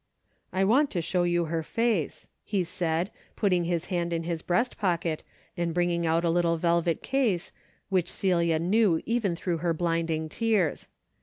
'' I want to show you her face," he said, putting his hand in his breast pocket and bringing out a little velvet case, which Celia knew even through her blinding tears.